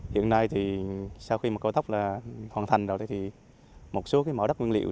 hiện nay thì sau khi cầu tóc hoàn thành rồi thì một số mỏ đắp nguyên liệu